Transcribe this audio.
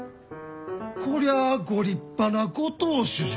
こりゃあご立派なご当主じゃ。